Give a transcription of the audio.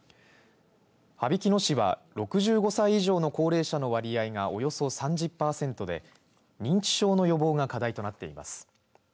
羽曳野市は６５歳以上の高齢者の割合がおよそ３０パーセントで認知症の予防が課題となっています。